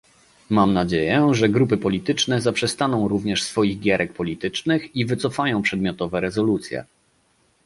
Mam nadzieję, że grupy polityczne zaprzestaną również swoich gierek politycznych i wycofają przedmiotowe rezolucje